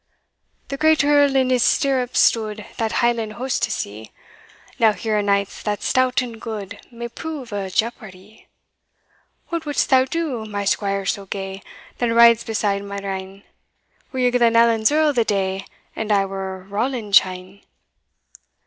"The great Earl in his stirrups stood That Highland host to see: Now here a knight that's stout and good May prove a jeopardie: "What wouldst thou do, my squire so gay, That rides beside my reyne, Were ye Glenallan's Earl the day, And I were Roland Cheyne?